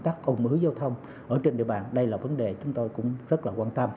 tình hình ồn tắc ồn ứ giao thông ở trên địa bàn đây là vấn đề chúng tôi cũng rất quan tâm